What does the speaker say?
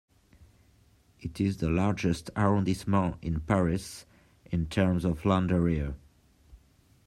It is the largest arrondissement in Paris in terms of land area.